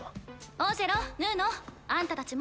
オジェロヌーノあんたたちも。